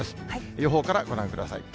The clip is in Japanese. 予報からご覧ください。